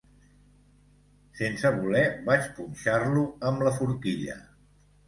Sense voler vaig punxar-lo amb la forquilla.